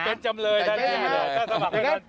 เป็นจำเลยได้เลยครับ